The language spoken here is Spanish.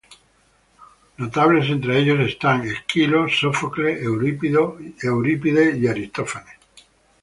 Notables entre ellos están Esquilo, Sófocles, Eurípides y Aristófanes.